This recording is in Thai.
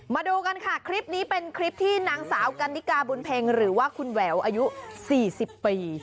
มาดูกันค่ะคลิปนี้เป็นคลิปที่นางสาวกันนิกาบุญเพ็งหรือว่าคุณแหววอายุ๔๐ปี